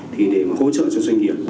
thì để mà hỗ trợ cho doanh nghiệp